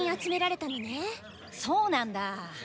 そうなんだ。